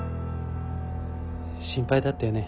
心配だったよね。